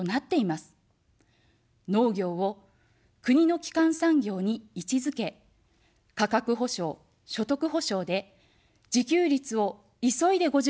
農業を国の基幹産業に位置づけ、価格補償、所得補償で自給率を急いで５０％に戻します。